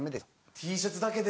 Ｔシャツだけで？